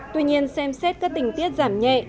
tuy nhiên xem xét các tình tiết giảm nhẹ